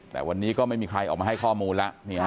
แต่วันนี้ก็ไม่มีใครออกมาให้ข้อมูลแล้ว